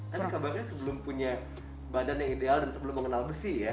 kan kabarnya sebelum punya badan yang ideal dan sebelum mengenal besi ya